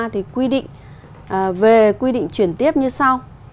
thì quy định về quy định chuyển tiếp như sau